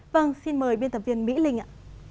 vâng xin mời biên tập viên mỹ linh ạ